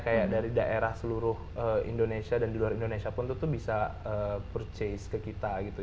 kayak dari daerah seluruh indonesia dan di luar indonesia pun tuh bisa purchase ke kita gitu